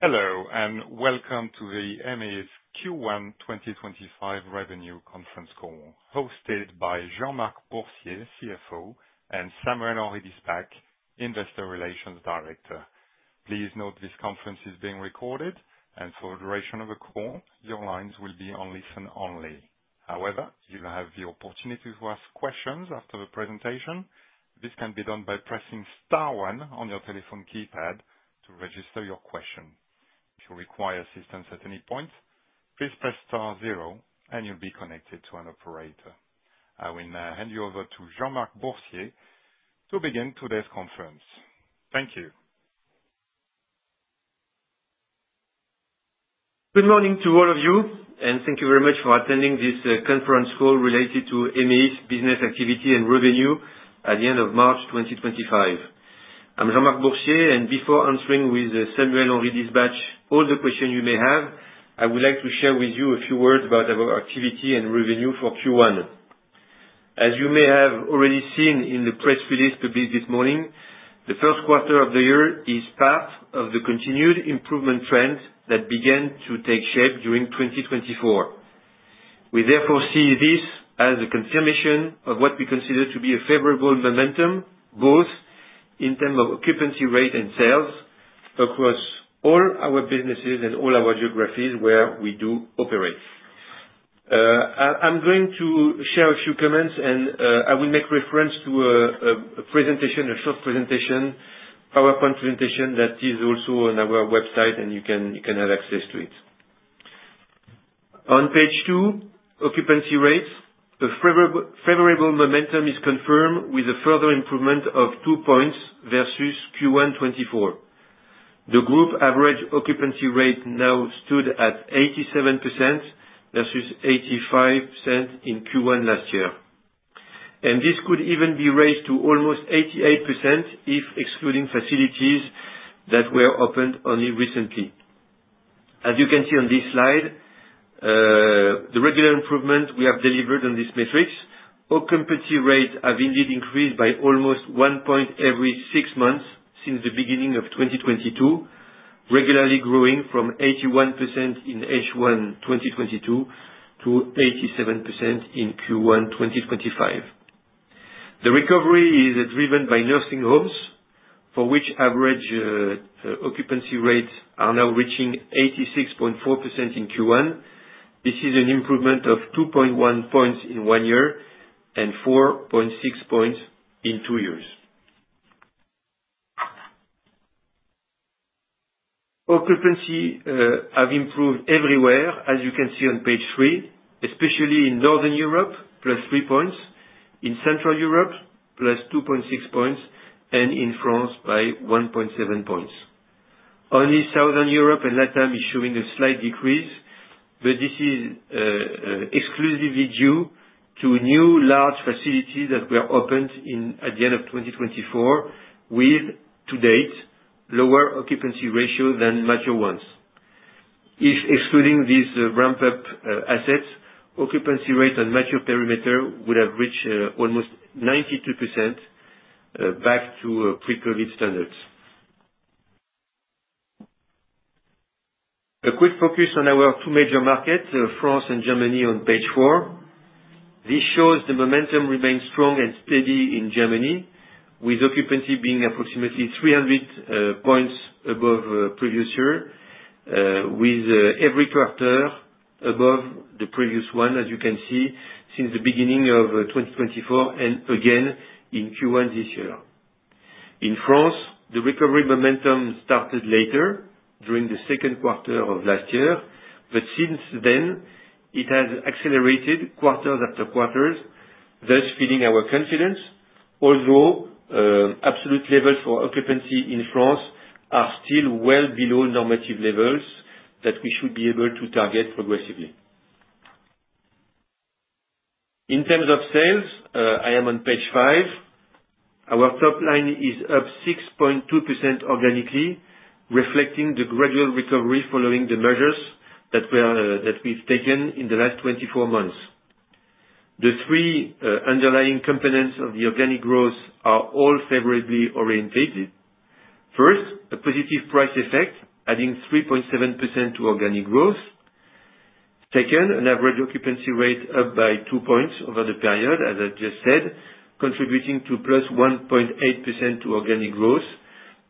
Hello, and welcome to the emeis Q1 2025 Revenue Conference Call, hosted by Jean-Marc Boursier, CFO, and Samuel Henry-Diesbach, Investor Relations Director. Please note this conference is being recorded, and for the duration of the call, your lines will be on listen only. However, you'll have the opportunity to ask questions after the presentation. This can be done by pressing star one on your telephone keypad to register your question. If you require assistance at any point, please press star zero, and you'll be connected to an operator. I will now hand you over to Jean-Marc Bourtier to begin today's conference. Thank you. Good morning to all of you, and thank you very much for attending this conference call related to emeis business activity and revenue at the end of March 2025. I'm Jean-Marc Bourtier, and before answering with Samuel Henry-Diesbach all the questions you may have, I would like to share with you a few words about our activity and revenue for Q1. As you may have already seen in the press release released this morning, the first quarter of the year is part of the continued improvement trend that began to take shape during 2024. We therefore see this as a confirmation of what we consider to be a favorable momentum, both in terms of occupancy rate and sales across all our businesses and all our geographies where we do operate. I'm going to share a few comments, and I will make reference to a presentation, a short presentation, PowerPoint presentation that is also on our website, and you can have access to it. On page two, occupancy rate, a favorable momentum is confirmed with a further improvement of two percentage points versus Q1 2024. The Group average occupancy rate now stood at 87% versus 85% in Q1 last year. This could even be raised to almost 88% if excluding facilities that were opened only recently. As you can see on this slide, the regular improvement we have delivered on this metric, occupancy rates have indeed increased by almost one point every six months since the beginning of 2022, regularly growing from 81% in H1 2022 to 87% in Q1 2025. The recovery is driven by nursing homes, for which average occupancy rates are now reaching 86.4% in Q1. This is an improvement of 2.1 points in one year and 4.6 points in two years. Occupancy has improved everywhere, as you can see on page three, especially in Northern Europe, +3 points; in Central Europe, +2.6 points; and in France, by 1.7 points. Only Southern Europe and LATAM are showing a slight decrease, but this is exclusively due to new large facilities that were opened at the end of 2024 with, to date, lower occupancy ratios than major ones. If excluding these ramp-up assets, occupancy rate on major perimeter would have reached almost 92%, back to pre-COVID standards. A quick focus on our two major markets, France and Germany, on page four. This shows the momentum remains strong and steady in Germany, with occupancy being approximately 300 points above previous year, with every quarter above the previous one, as you can see, since the beginning of 2024 and again in Q1 this year. In France, the recovery momentum started later during the second quarter of last year, but since then, it has accelerated quarter-after-quarter, thus feeding our confidence, although absolute levels for occupancy in France are still well below normative levels that we should be able to target progressively. In terms of sales, I am on page five. Our top line is up 6.2% organically, reflecting the gradual recovery following the measures that we've taken in the last 24 months. The three underlying components of the organic growth are all favorably orientated. First, a positive price effect, adding 3.7% to organic growth. Second, an average occupancy rate up by two points over the period, as I just said, contributing to +1.8% to organic growth.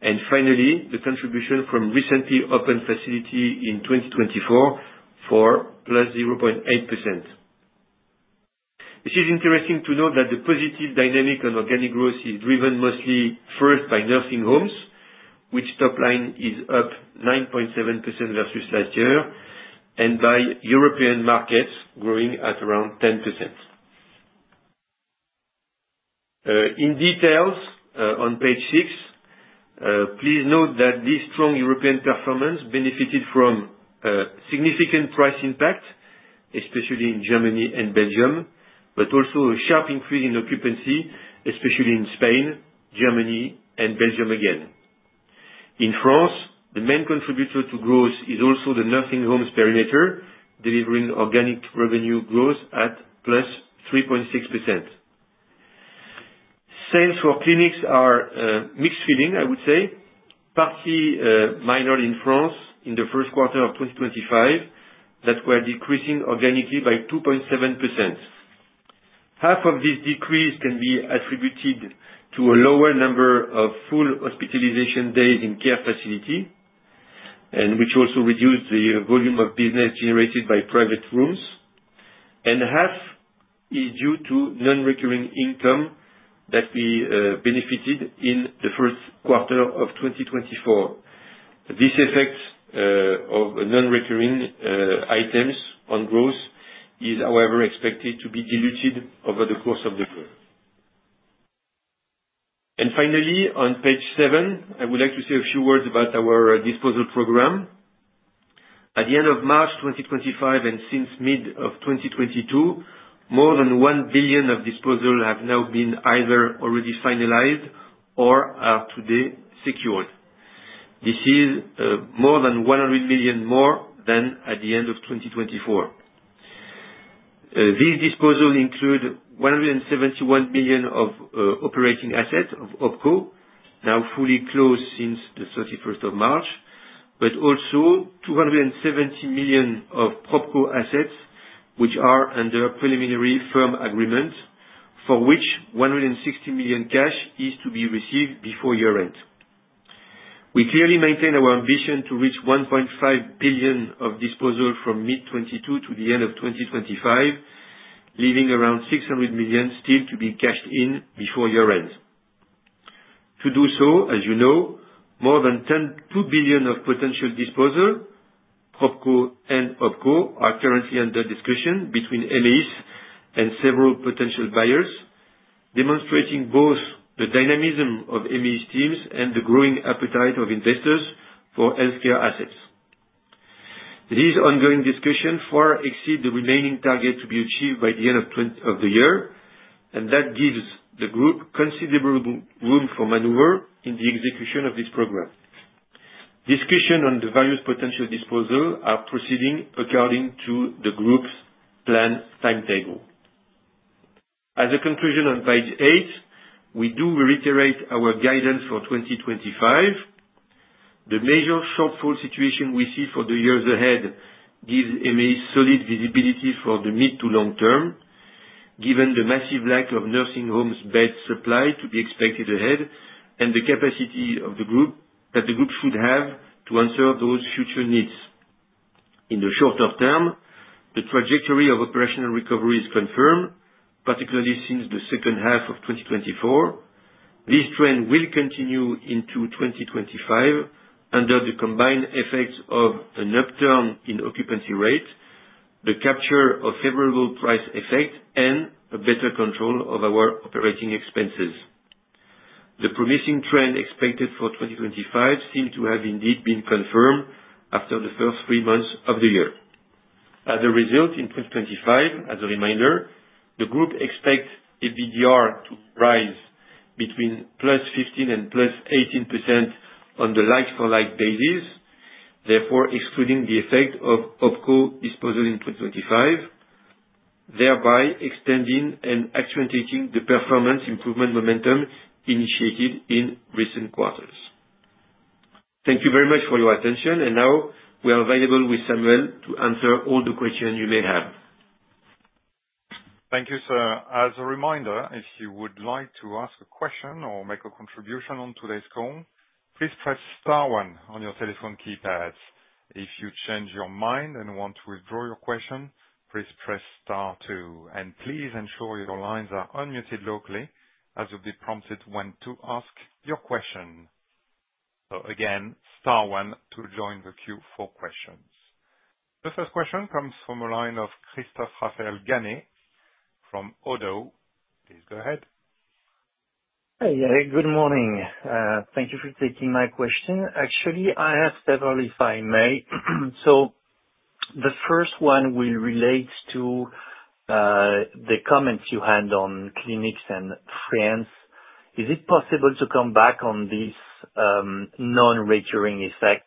Finally, the contribution from recently opened facilities in 2024 for +0.8%. It is interesting to note that the positive dynamic on organic growth is driven mostly first by nursing homes, which top line is up 9.7% versus last year, and by European markets growing at around 10%. In detail, on page six, please note that this strong European performance benefited from significant price impact, especially in Germany and Belgium, but also a sharp increase in occupancy, especially in Spain, Germany, and Belgium again. In France, the main contributor to growth is also the nursing homes' perimeter, delivering organic revenue growth at +3.6%. Sales for clinics are mixed feeling, I would say, partly minor in France in the first quarter of 2025, that were decreasing organically by 2.7%. Half of this decrease can be attributed to a lower number of full hospitalization days in care facilities, which also reduced the volume of business generated by private rooms, and half is due to non-recurring income that we benefited in the first quarter of 2024. This effect of non-recurring items on growth is, however, expected to be diluted over the course of the year. Finally, on page seven, I would like to say a few words about our disposal program. At the end of March 2025 and since mid of 2022, more than 1 billion of disposals have now been either already finalized or are today secured. This is more than 100 million more than at the end of 2024. These disposals include 171 million of operating assets of OpCo, now fully closed since the 31st of March, but also 270 million of PropCo assets, which are under preliminary firm agreements, for which 160 million cash is to be received before year-end. We clearly maintain our ambition to reach 1.5 billion of disposals from mid-2022 to the end of 2025, leaving around 600 million still to be cashed in before year-end. To do so, as you know, more than 2 billion of potential disposals, PropCo and OpCo, are currently under discussion between emeis and several potential buyers, demonstrating both the dynamism of emeis teams and the growing appetite of investors for healthcare assets. These ongoing discussions far exceed the remaining target to be achieved by the end of the year, and that gives the Group considerable room for maneuver in the execution of this program. Discussions on the various potential disposals are proceeding according to the Group's planned timetable. As a conclusion on page eight, we do reiterate our guidance for 2025. The major shortfall situation we see for the years ahead gives emeis solid visibility for the mid to long term, given the massive lack of nursing homes' bed supply to be expected ahead and the capacity that the Group should have to answer those future needs. In the shorter term, the trajectory of operational recovery is confirmed, particularly since the second half of 2024. This trend will continue into 2025 under the combined effects of an upturn in occupancy rate, the capture of favorable price effect, and a better control of our operating expenses. The promising trend expected for 2025 seems to have indeed been confirmed after the first three months of the year. As a result, in 2025, as a reminder, the Group expects EBITDA to rise between +15% and +18% on the like-for-like basis, therefore excluding the effect of OpCo disposal in 2025, thereby extending and accentuating the performance improvement momentum initiated in recent quarters. Thank you very much for your attention, and now we are available with Samuel to answer all the questions you may have. Thank you, sir. As a reminder, if you would like to ask a question or make a contribution on today's call, please press star one on your telephone keypad. If you change your mind and want to withdraw your question, please press star two. Please ensure your lines are unmuted locally as you'll be prompted when to ask your question. Again, star one to join the queue for questions. The first question comes from a line of Christophe-Raphaël Ganet from Oddo. Please go ahead. Hey, good morning. Thank you for taking my question. Actually, I have several, if I may. The first one will relate to the comments you had on clinics and France. Is it possible to come back on this non-recurring effect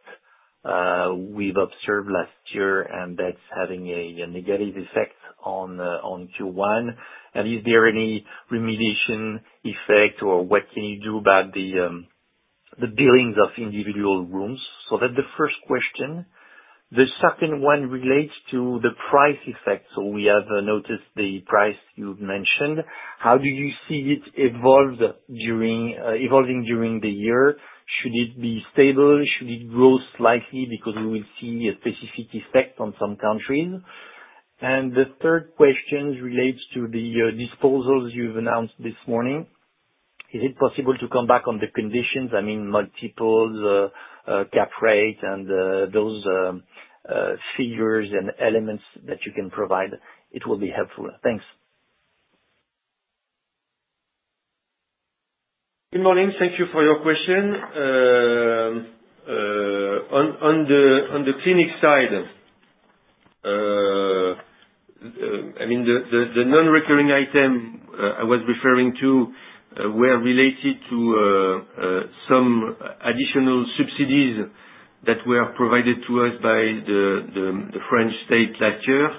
we've observed last year, and that's having a negative effect on Q1? Is there any remediation effect, or what can you do about the billings of individual rooms? That's the first question. The second one relates to the price effect. We have noticed the price you've mentioned. How do you see it evolving during the year? Should it be stable? Should it grow slightly because we will see a specific effect on some countries? The third question relates to the disposals you've announced this morning. Is it possible to come back on the conditions? I mean, multiple cap rate and those figures and elements that you can provide. It will be helpful. Thanks. Good morning. Thank you for your question. On the clinic side, I mean, the non-recurring items I was referring to were related to some additional subsidies that were provided to us by the French state last year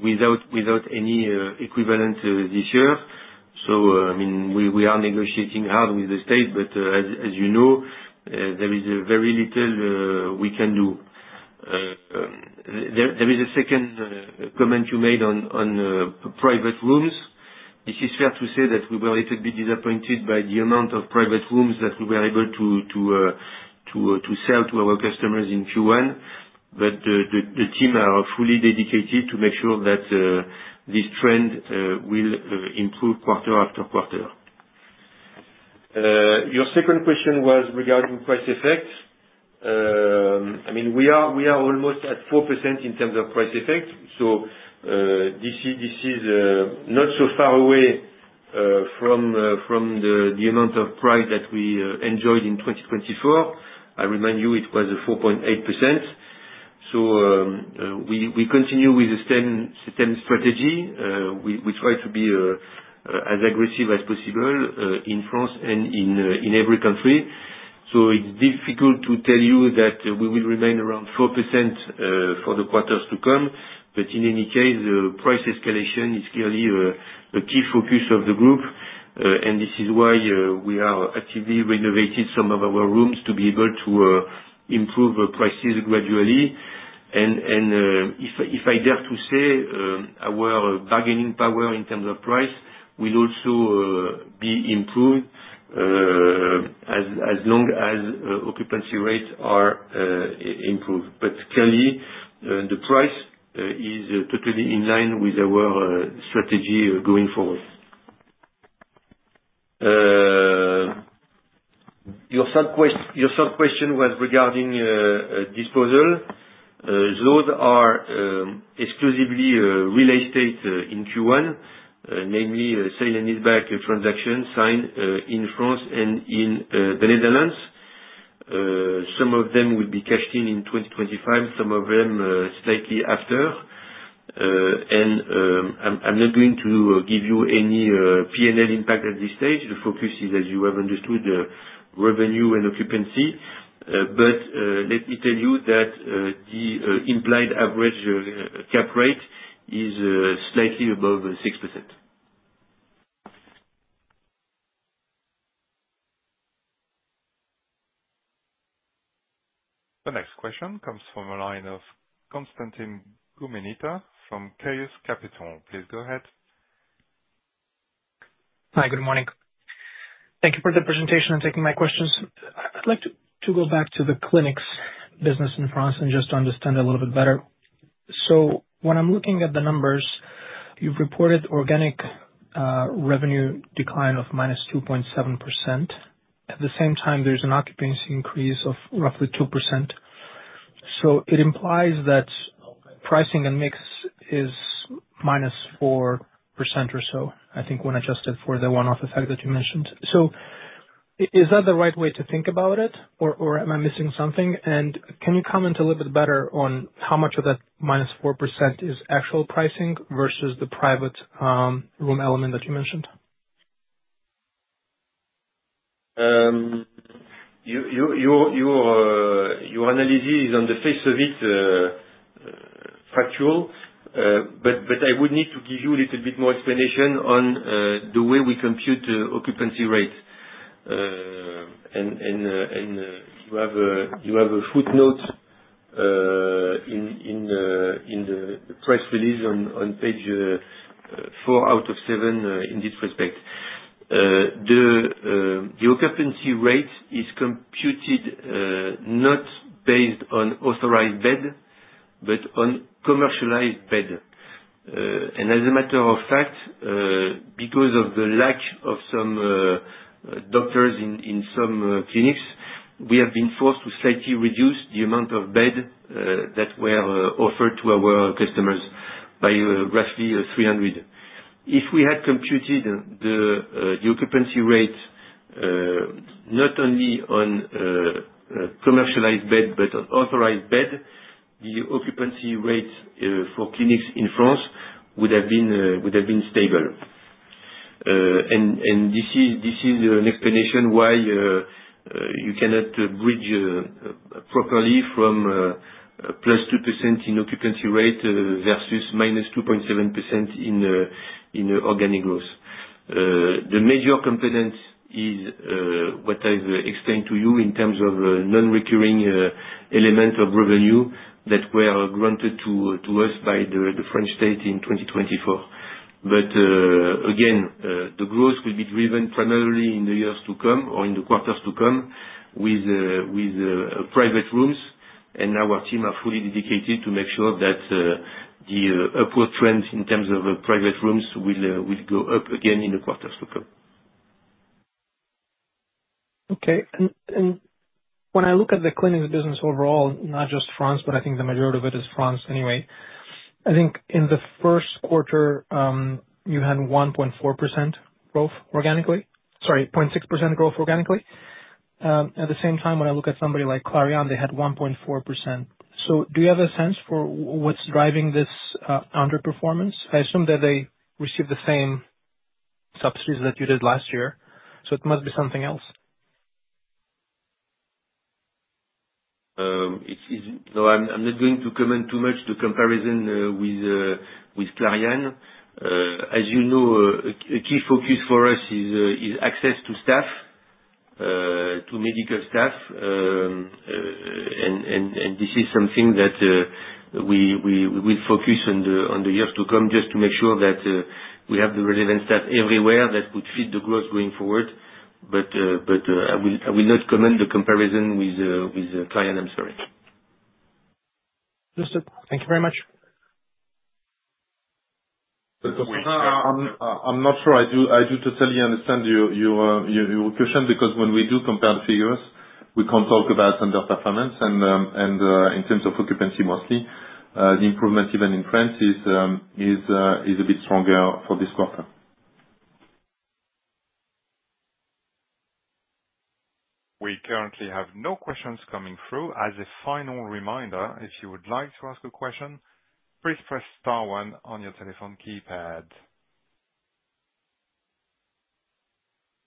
without any equivalent this year. I mean, we are negotiating hard with the state, but as you know, there is very little we can do. There is a second comment you made on private rooms. It is fair to say that we were a little bit disappointed by the amount of private rooms that we were able to sell to our customers in Q1, but the team are fully dedicated to make sure that this trend will improve quarter-after-quarter. Your second question was regarding price effect. I mean, we are almost at 4% in terms of price effect. This is not so far away from the amount of price that we enjoyed in 2024. I remind you, it was 4.8%. We continue with the STEM strategy. We try to be as aggressive as possible in France and in every country. It's difficult to tell you that we will remain around 4% for the quarters to come, but in any case, price escalation is clearly a key focus of the Group, and this is why we have actively renovated some of our rooms to be able to improve prices gradually. If I dare to say, our bargaining power in terms of price will also be improved as long as occupancy rates are improved. Clearly, the price is totally in line with our strategy going forward. Your third question was regarding disposal. Those are exclusively real estate in Q1, namely Sail & Easybike transactions signed in France and in the Netherlands. Some of them will be cashed in in 2025, some of them slightly after. I'm not going to give you any P&L impact at this stage. The focus is, as you have understood, revenue and occupancy. Let me tell you that the implied average cap rate is slightly above 6%. The next question comes from a line of Konstantin Guminita from Chaos Capital. Please go ahead. Hi, good morning. Thank you for the presentation and taking my questions. I'd like to go back to the clinics business in France and just to understand a little bit better. When I'm looking at the numbers, you've reported organic revenue decline of -2.7%. At the same time, there's an occupancy increase of roughly 2%. It implies that pricing and mix is -4% or so, I think, when adjusted for the one-off effect that you mentioned. Is that the right way to think about it, or am I missing something? Can you comment a little bit better on how much of that -4% is actual pricing versus the private room element that you mentioned? Your analysis is, on the face of it, factual, but I would need to give you a little bit more explanation on the way we compute occupancy rates. You have a footnote in the press release on page four out of seven in this respect. The occupancy rate is computed not based on authorized bed, but on commercialized bed. As a matter of fact, because of the lack of some doctors in some clinics, we have been forced to slightly reduce the amount of bed that were offered to our customers by roughly 300. If we had computed the occupancy rate not only on commercialized bed but on authorized bed, the occupancy rate for clinics in France would have been stable. This is an explanation why you cannot bridge properly from +2% in occupancy rate versus -2.7% in organic growth. The major component is what I've explained to you in terms of non-recurring element of revenue that were granted to us by the French state in 2024. Again, the growth will be driven primarily in the years to come or in the quarters to come with private rooms, and our team is fully dedicated to make sure that the upward trend in terms of private rooms will go up again in the quarters to come. Okay. When I look at the clinics business overall, not just France, but I think the majority of it is France anyway, I think in the first quarter, you had 0.6% growth organically. At the same time, when I look at somebody like Clariane, they had 1.4%. Do you have a sense for what's driving this underperformance? I assume that they receive the same subsidies that you did last year, so it must be something else. No, I'm not going to comment too much on the comparison with Clariane. As you know, a key focus for us is access to staff, to medical staff, and this is something that we will focus on the years to come just to make sure that we have the relevant staff everywhere that would feed the growth going forward. I will not comment on the comparison with Clariane. I'm sorry. Thank you very much. I'm not sure I do totally understand your question because when we do compare the figures, we can't talk about underperformance. In terms of occupancy, mostly, the improvement even in France is a bit stronger for this quarter. We currently have no questions coming through. As a final reminder, if you would like to ask a question, please press star one on your telephone keypad.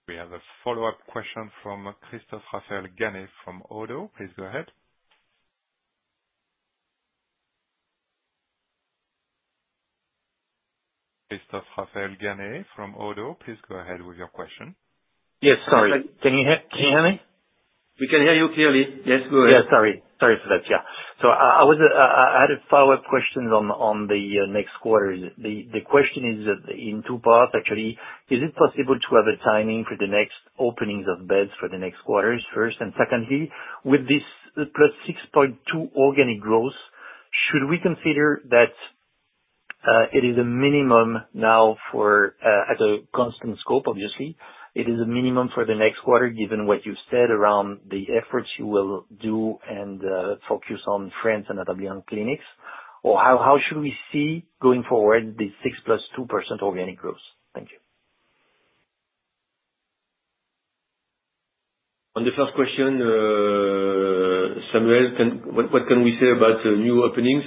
We have a follow-up question from Christophe-Raphaël Ganet from Oddo. Please go ahead. Christophe-Raphaël Ganet from Oddo, please go ahead with your question. Yes, sorry. Can you hear me? We can hear you clearly. Yes, go ahead. Yes, sorry. Sorry for that. Yeah. I had a follow-up question on the next quarter. The question is in two parts, actually. Is it possible to have a timing for the next openings of beds for the next quarter first? Secondly, with this +6.2% organic growth, should we consider that it is a minimum now for, at a constant scope, obviously, it is a minimum for the next quarter given what you've said around the efforts you will do and focus on France and other clinics? Or how should we see going forward the 6.2% organic growth? Thank you. On the first question, Samuel, what can we say about new openings?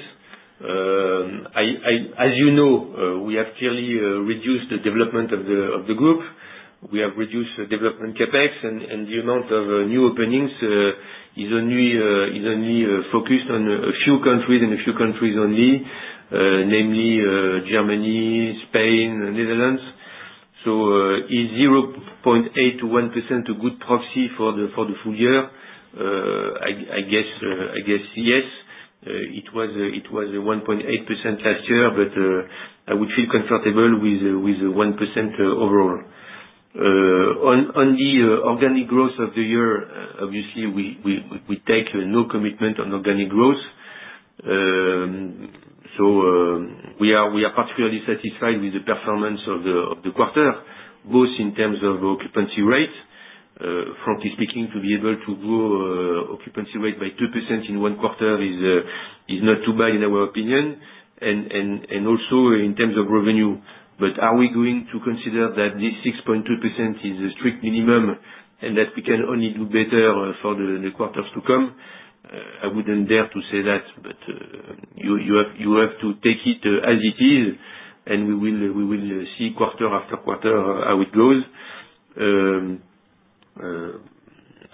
As you know, we have clearly reduced the development of the Group. We have reduced development CapEx, and the amount of new openings is only focused on a few countries and a few countries only, namely Germany, Spain, Netherlands. Is 0.8%-1% a good proxy for the full year? I guess yes. It was 1.8% last year, but I would feel comfortable with 1% overall. On the organic growth of the year, obviously, we take no commitment on organic growth. We are particularly satisfied with the performance of the quarter, both in terms of occupancy rate. Frankly speaking, to be able to grow occupancy rate by 2% in one quarter is not too bad, in our opinion, and also in terms of revenue. Are we going to consider that this 6.2% is a strict minimum and that we can only do better for the quarters to come? I wouldn't dare to say that, but you have to take it as it is, and we will see quarter after quarter how it goes.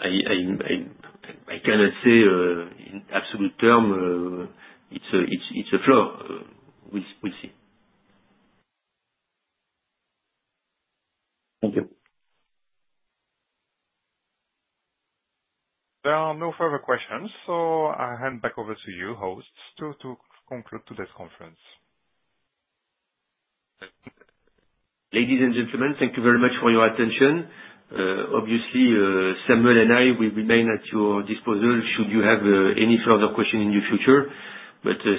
I cannot say in absolute terms it's a flaw. We'll see. Thank you. There are no further questions, so I hand back over to you, hosts, to conclude today's conference. Ladies and gentlemen, thank you very much for your attention. Obviously, Samuel and I, we remain at your disposal should you have any further questions in the future.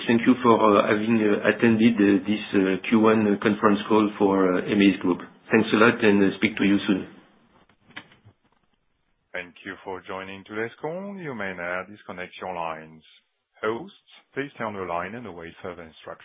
Thank you for having attended this Q1 conference call for emeis Group. Thanks a lot, and speak to you soon. Thank you for joining today's call. You may now disconnect your lines. Hosts, please stay on the line and await further instructions.